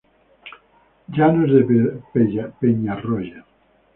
Llanos de Peñarroya.